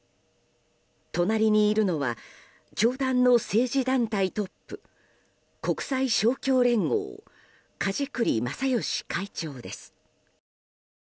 隣にいるのは教団の政治団体トップ国際勝共連合梶栗正義会長です。